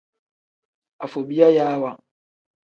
Afobiyayaawa.